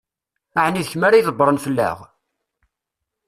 Ɛni d kemm ara ydebbṛen fell-aɣ?